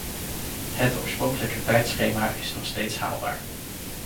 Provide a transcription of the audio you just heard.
Het oorspronkelijke tijdschema is nog steeds haalbaar.